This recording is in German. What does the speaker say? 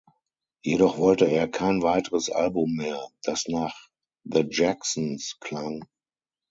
Jedoch wollte er kein weiteres Album mehr, das nach "The Jacksons" klang.